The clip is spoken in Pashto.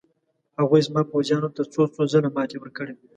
هغوی زما پوځیانو ته څو څو ځله ماتې ورکړې.